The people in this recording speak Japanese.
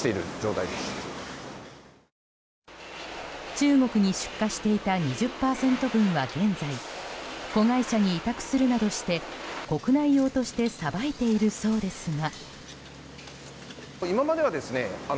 中国に出荷していた２０％分は現在子会社に委託するなどして国内用としてさばいているそうですが。